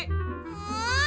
oh papi jahat